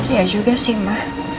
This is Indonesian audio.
ya juga sih ma